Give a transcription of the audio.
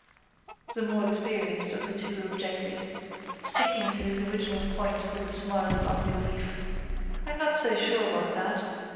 the more experienced of the two objected, sticking to his original point with a smile of unbelief. I'm not so sure about that.